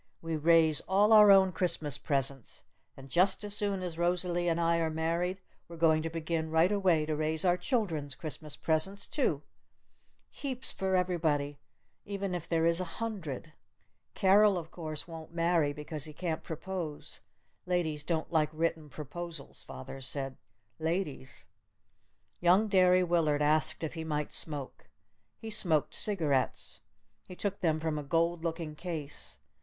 We raise all our own Christmas presents! And just as soon as Rosalee and I are married we're going to begin right away to raise our children's Christmas presents too! Heaps for everybody, even if there is a hundred! Carol, of course, won't marry because he can't propose! Ladies don't like written proposals, father says! Ladies " Young Derry Willard asked if he might smoke. He smoked cigarets. He took them from a gold looking case.